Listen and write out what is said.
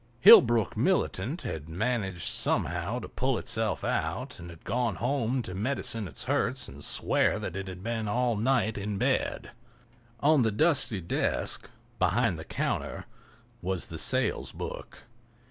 Hillbrook militant had managed somehow to pull itself out and had gone home to medicine its hurts and swear that it had been all night in bed. On the dusty desk, behind the counter, was the sales book.